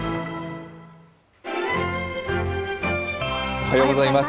おはようございます。